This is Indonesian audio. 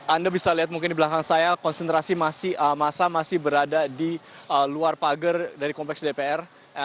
anda bisa lihat mungkin di belakang saya konsentrasi masa masih berada di luar pagar dari kompleks dpr